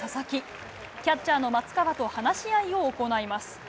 キャッチャーの松川と話し合いを行います。